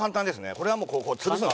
これはもうこう潰すの。